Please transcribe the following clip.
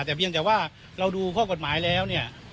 แต่เพียงแต่ว่าเราดูข้อกฎหมายแล้วเนี่ย